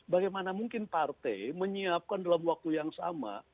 bagaimana mungkin partai menyiapkan dalam waktu yang sama